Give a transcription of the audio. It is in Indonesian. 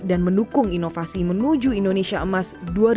dan mendukung inovasi menuju indonesia emas dua ribu empat puluh lima